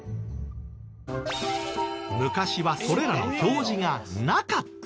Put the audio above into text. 昔はそれらの表示がなかった。